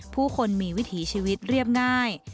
ผู้คนมีวิถีชีวิตเรียบง่าย